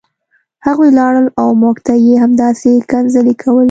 هغوی لاړل او موږ ته یې همداسې کنځلې کولې